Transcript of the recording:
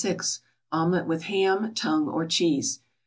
=Omelette with Ham, Tongue, or Cheese.